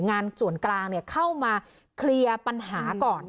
งานส่วนกลางเข้ามาเคลียร์ปัญหาก่อน